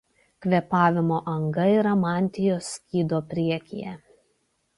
Kvėpavimo anga yra mantijos skydo priekyje.